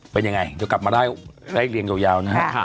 เป็นยังไงเดี๋ยวกลับมาไล่เรียงยาวนะฮะ